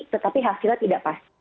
tetapi hasilnya tidak pasti